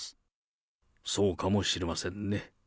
そうかもしれませんね。